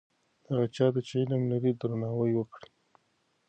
هغه چا ته چې علم لري درناوی وکړئ.